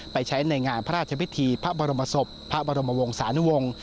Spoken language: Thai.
ไปใช้ในงานพระราชพิธีพระบรมศพพระบรมวงศานุวงศ์